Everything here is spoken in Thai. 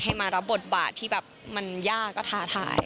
มารับบทบาทที่แบบมันยากก็ท้าทาย